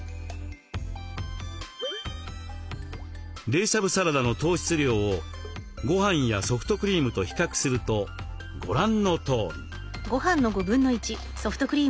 冷しゃぶサラダの糖質量をごはんやソフトクリームと比較するとご覧のとおり。